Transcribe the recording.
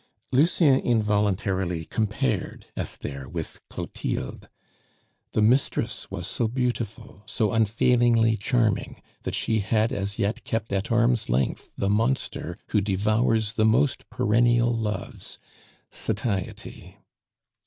Lucien involuntarily compared Esther with Clotilde. The mistress was so beautiful, so unfailingly charming, that she had as yet kept at arm's length the monster who devours the most perennial loves Satiety.